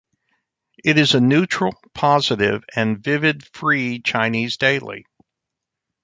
It is a neutral, positive and vivid free Chinese daily.